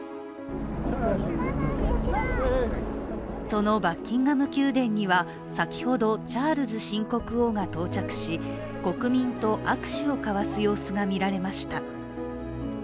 そのバッキンガム宮殿には、先ほどチャールズ新国王が到着し国民と握手を交わす様子が見られました。